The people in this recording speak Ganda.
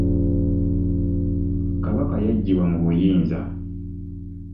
Kabaka yaggibwa mu buyinza.